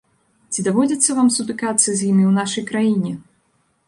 Ці даводзіцца вам сутыкацца з імі ў нашай краіне?